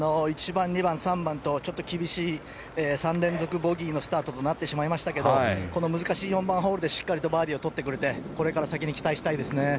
１番、２番、３番とちょっと厳しい３連続ボギーのスタートとなってしまいましたがこの難しい４番ホールでしっかりとバーディーをとってくれてこれから先に期待したいですね。